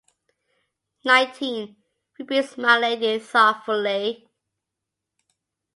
"Nineteen," repeats my Lady thoughtfully.